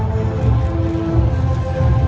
สโลแมคริปราบาล